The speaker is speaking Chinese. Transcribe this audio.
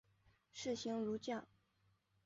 士行如将。